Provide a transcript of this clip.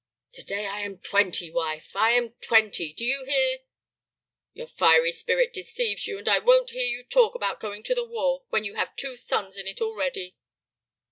"To day I am twenty, wife, I am twenty; do you hear?" "Your fiery spirit deceives you; and I won't hear you talk about going to the war, when you have two sons in it already."